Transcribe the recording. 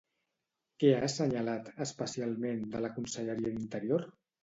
Què ha assenyalat, especialment, de la conselleria d'Interior?